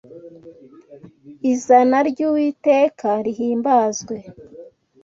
Izana ry’Uwiteka rihimbazwe